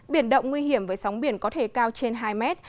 biển động nguy hiểm với sóng biển có thể cao trên hai mét